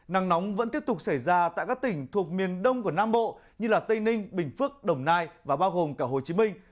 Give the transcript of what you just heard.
nắng nóng vẫn tiếp tục xảy ra tại các tỉnh thuộc miền đông của nam bộ như tây ninh bình phước đồng nai và bao gồm cả hồ chí minh